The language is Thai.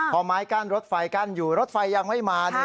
พอไม้กั้นรถไฟกั้นอยู่รถไฟยังไม่มา